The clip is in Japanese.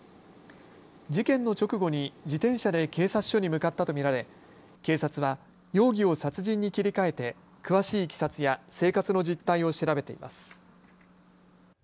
事件の直後に自転車で警察署に向かったと見られ警察は、容疑を殺人に切り替えて詳しいいきさつや生活の実態を調べています。